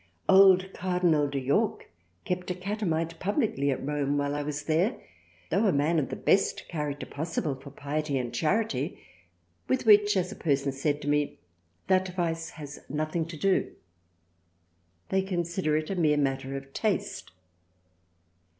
Old Cardinal de York kept a Catamite publicly at Rome while I was there, tho' a Man of the best character possible for Piety and Charity with which as a Person said to me that Vice has nothing to do. They consider it as mere matter of Taste.